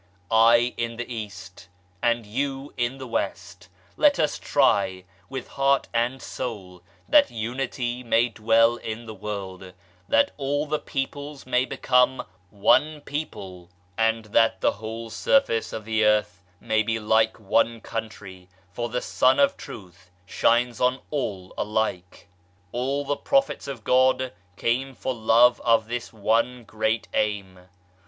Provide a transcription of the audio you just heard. I in the East, and you in the West, let us try with heart and soul that Unity may dwell in the world, that all the peoples may become one people, and that the i6o THE LAST MEETING whole surface of the Earth may be like one country for the Sun of Truth shines on all alike, All the Prophets of God came for love of this one great aim.